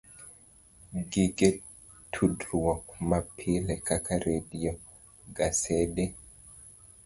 Gige tudruok mapile kaka redio, gasede,